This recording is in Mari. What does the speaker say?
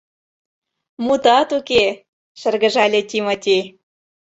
Мутат уке! — шыргыжале Тимоти.